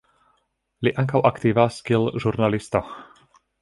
Li ankaŭ aktivas kiel ĵurnalisto.